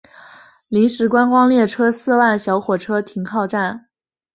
临时观光列车四万小火车停靠站。